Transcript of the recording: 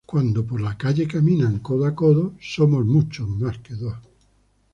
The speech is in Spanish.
Cuando por la calle caminan codo a codo "somos mucho más que dos".